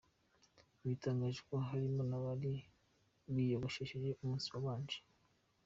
Igitangaje ni uko harimo n’abari biyogoshesheje umunsi wabanje.